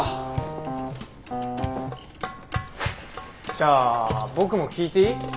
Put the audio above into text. じゃあ僕も聞いていい？